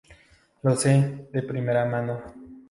Lo sé de primera mano